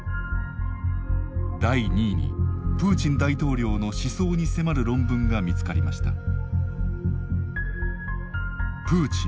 第２位にプーチン大統領の思想に迫る論文が見つかりました。